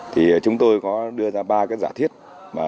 thì chúng tôi có đưa ra ba cái giả thiết